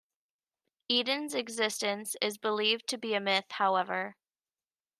Eden's existence is believed to be a myth, however.